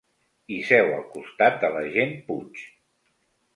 Hi seu al costat de l'agent Puig.